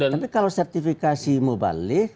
tapi kalau sertifikasi mubalik